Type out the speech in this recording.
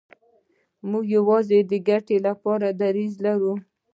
موږ یوازې د ګټې لپاره دریځ لرو.